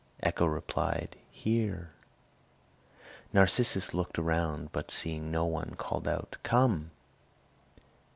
Echo replied, "Here." Narcissus looked around, but seeing no one called out, "Come."